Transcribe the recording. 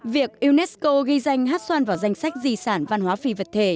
việc unesco ghi danh hát xoan vào danh sách di sản văn hóa phi vật thể